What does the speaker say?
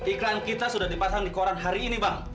iklan kita sudah dipasang di koran hari ini bang